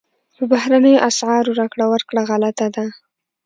په بهرنیو اسعارو راکړه ورکړه غلطه ده.